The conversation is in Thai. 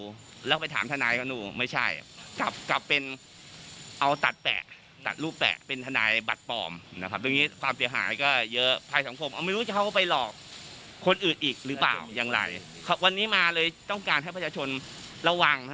หลอกคนอื่นอีกหรือเปล่าอย่างไรวันนี้มาเลยต้องการให้ประชาชนระวัง